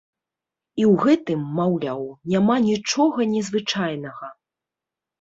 І ў гэтым, маўляў, няма нічога незвычайнага.